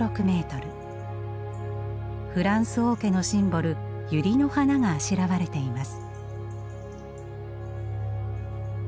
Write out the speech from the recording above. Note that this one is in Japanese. フランス王家のシンボルユリの花があしらわれています。